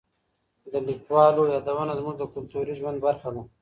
د لیکوالو یادونه زموږ د کلتوري ژوند برخه ده.